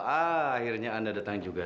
akhirnya anda datang juga